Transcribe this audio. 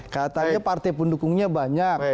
katanya partai pendukungnya banyak